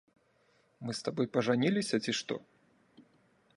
Мы з табой пажаніліся, ці што?